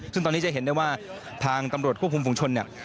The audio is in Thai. ซึ่งตอนนี้จะเห็นได้ว่าทางตำรวจควบคุมฝุงชนเนี่ย